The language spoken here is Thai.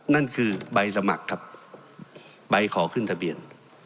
นั่นคือใบสมัครครับใบขอขึ้นทะเบียน